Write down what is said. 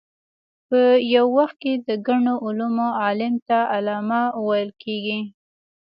په یو وخت کې د ګڼو علومو عالم ته علامه ویل کېږي.